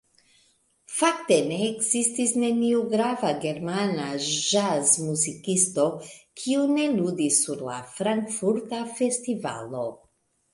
Fakte ne ekzistis neniu grava germana ĵazmuzikisto, kiu ne ludis sur la frankfurta festivalo.